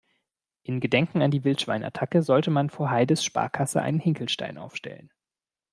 In Gedenken an die Wildschwein-Attacke sollte man vor Heides Sparkasse einen Hinkelstein aufstellen.